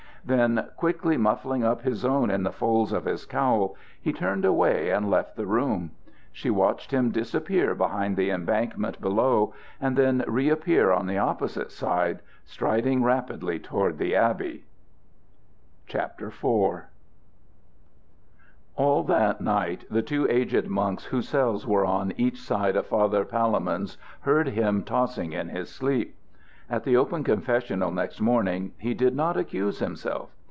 Then, quickly muffling up his own in the folds of his cowl, he turned away and left the room. She watched him disappear behind the embankment below and then reappear on the opposite side, striding rapidly towards the abbey. IV. All that night the two aged monks whose cells were one on each side of Father Palemon's heard him tossing in his sleep. At the open confessional next morning he did not accuse himself.